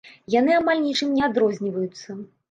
Яны амаль нічым не адрозніваюцца.